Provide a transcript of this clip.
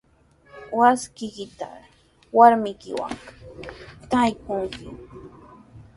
Wasiykitraw warmiykiwan taakunki.